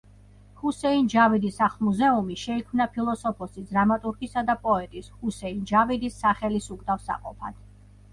ჰუსეინ ჯავიდის სახლ-მუზეუმი შეიქმნა ფილოსოფოსის, დრამატურგისა და პოეტის ჰუსეინ ჯავიდის სახელის უკვდავსაყოფად.